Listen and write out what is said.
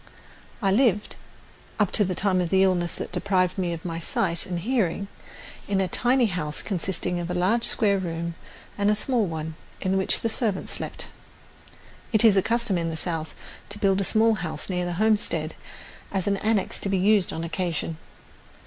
I lived, up to the time of the illness that deprived me of my sight and hearing, in a tiny house consisting of a large square room and a small one, in which the servant slept. It is a custom in the South to build a small house near the homestead as an annex to be used on occasion.